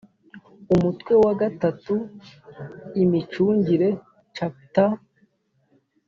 umutwe wa iii imicungire chapter